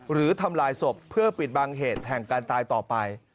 หรือทำลายศพเพื่อปิดบังเหตุแห่งการตายต่อไป